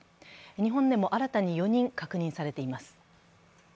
日本でも新たに４人確認されています。